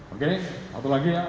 oke satu lagi ya